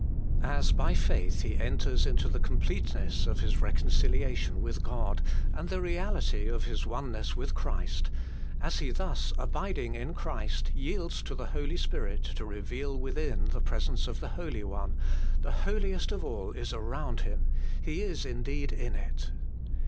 As by faith he enters into the completeness of his reconciliation with God, and THE WAY INTO THE HOLIEST. 245 the reality of his oneness with Christ, as he thus, abiding in Christ, yields to the Holy Spirit to reveal within the Presence of the Holy One, the Holiest of all is around him, he is indeed in it.